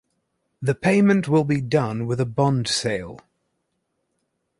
The payment will be done with a bond sale.